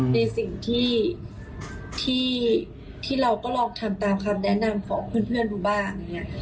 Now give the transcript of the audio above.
มีสิ่งที่เราก็ลองทำตามคำแนะนำของเพื่อนหนูบ้าง